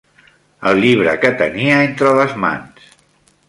El llibre que tenia entre les mans.